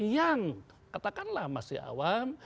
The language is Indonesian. yang katakanlah masih awam